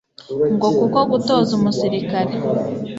ngo kuko gutoza umusirikare